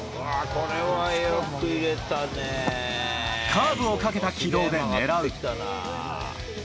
カーブをかけた軌道で狙う。